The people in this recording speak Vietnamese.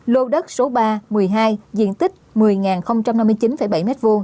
lô đất số ba một mươi hai diện tích một mươi năm mươi chín bảy m hai